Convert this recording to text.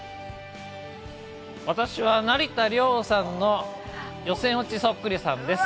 私は成田凌さんの予選落ちそっくりさんです。